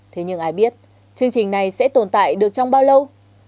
thế nhưng ai biết chương trình này sẽ tồn tại được trong bao lâu